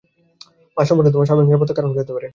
মা সম্পর্কে তার অস্বাভাবিক নীরবতার কারণ কী হতে পারে?